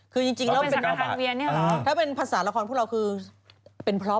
คือจริงแล้วเป็นสังค์ธรรมเวียนเนี่ยหรอถ้าเป็นภาษาละครพวกเราคือเป็นพร้อม